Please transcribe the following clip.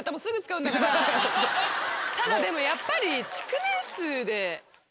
ただでもやっぱり。